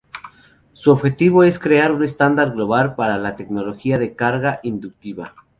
Su objetivo es crear un estándar global para la tecnología de carga inductiva.